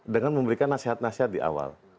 dengan memberikan nasihat nasihat di awal